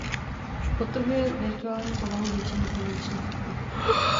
Podtrhuje virtuální povahu většiny finančních aktiv.